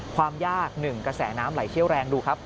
ความยาก๑กระแสน้ำไหลเชี่ยวแรงดูครับ